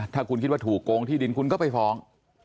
ถ้าคุณคิดว่าถูกโกงที่ดินคุณก็ไปฟ้อง